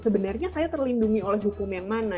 sebenarnya saya terlindungi oleh hukum yang mana